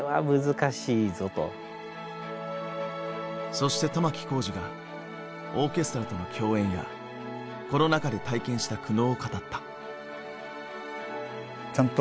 そして玉置浩二がオーケストラとの共演やコロナ禍で体験した苦悩を語った。